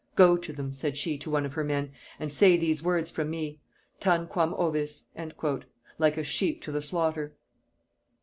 "Go to them," said she to one of her men, "and say these words from me, Tanquam ovis" (Like a sheep to the slaughter).